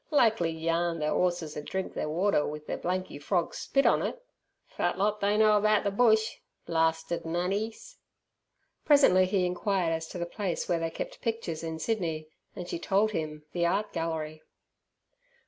Likely yarn ther 'orses ud drink ther water with ther blanky frogs' spit on it! Fat lot they know about ther bush! Blarsted nannies!" Presently he inquired as to the place where they kept pictures in Sydney, and she told him, the Art Gallery.